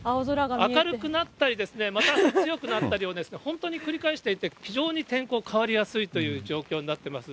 明るくなったり、また強くなったりを本当に繰り返していて、非常に天候、変わりやすいという状況になっています。